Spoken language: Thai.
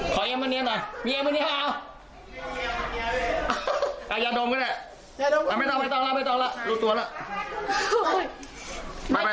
ขอเย็มมาเนี๊ยะหน่อยมีเย็มมาเนี๊ยะหรืออย่าดมก็ได้ไม่ต้องแล้วลุดตัวแล้ว